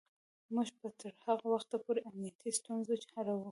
موږ به تر هغه وخته پورې امنیتی ستونزې حلوو.